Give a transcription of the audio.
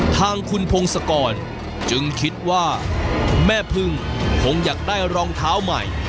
ทางคุณพงศกรจึงคิดว่าแม่พึ่งคงอยากได้รองเท้าใหม่